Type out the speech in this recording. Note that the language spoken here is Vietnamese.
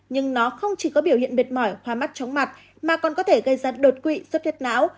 nhưng nó không chỉ có biểu hiện mệt mỏi hoa mắt trống mặt mà còn có thể gây ra đột quỵ sốt thiết não